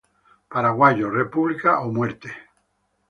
Paraguayos, República o muerte!